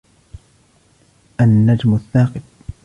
النَّجْمُ الثَّاقِبُ